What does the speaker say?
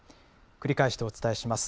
繰り返してお伝えします。